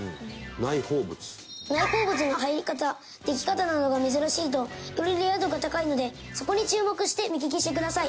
内包物の入り方でき方などが珍しいとよりレア度が高いのでそこに注目して目利きしてください。